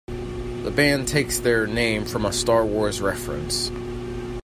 The band takes their name from a "Star Wars" reference.